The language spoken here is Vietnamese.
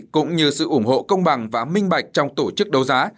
cũng như sự ủng hộ công bằng và minh bạch trong tổ chức đấu giá